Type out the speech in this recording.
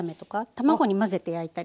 卵に混ぜて焼いたり。